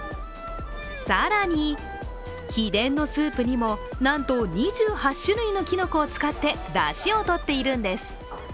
更に、秘伝のスープにもなんと２８種類のきのこを使ってだしをとっているんです。